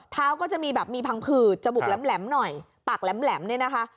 ก็จะมีแบบมีพังผืดจมูกแหลมหน่อยปากแหลมเนี่ยนะคะ